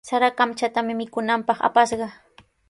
Sara kamchatami mikunanpaq apashqa.